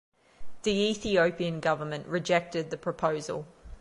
The Ethiopian government rejected the proposal.